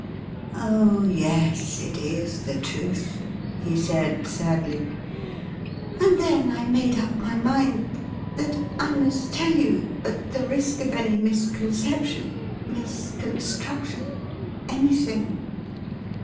' Oh yes, it is the truth,' he said sadly. ' And then I made up my mind that I must tell you, at the risk of any misconception — misconstruction — any thing.'